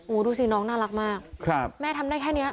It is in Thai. ดูสิน้องน่ารักมากแม่ทำได้แค่นี้